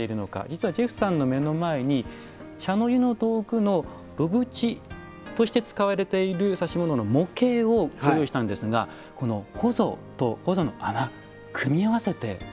実はジェフさんの目の前に茶の湯の道具の炉縁として使われている指物の模型をご用意したんですがこのほぞとほぞの穴組み合わせてみてください。